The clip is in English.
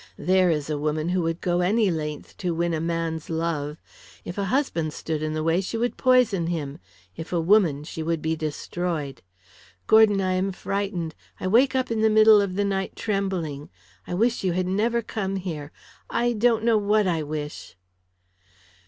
There is a woman who would go any length to win a man's love. If a husband stood in the way she would poison him; if a woman, she would be destroyed. Gordon, I am frightened; I wake up in the middle of the night trembling. I wish you had never come here; I don't know what I wish."